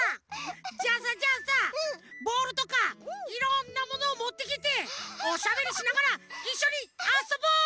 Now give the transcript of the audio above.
じゃあさじゃあさボールとかいろんなものをもってきておしゃべりしながらいっしょにあそぼう！